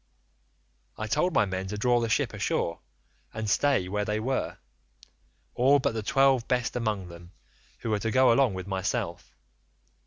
"I told my men to draw the ship ashore, and stay where they were, all but the twelve best among them, who were to go along with myself.